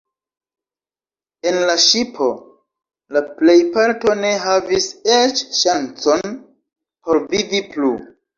En la ŝipo la plejparto ne havis eĉ ŝancon por vivi plu.